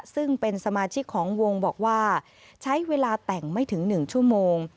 ซึ่งเป็นสมาชิกของวงบอกว่าใช้เวลาแต่งไม่ถึง๑ชั่วโมง